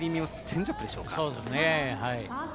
チェンジアップでしょうか。